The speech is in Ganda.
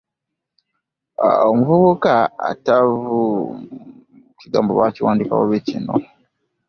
Omuvuvuka atantyumya mbuzi yazigeye.